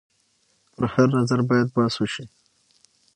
پر هر نظر باید بحث وشي.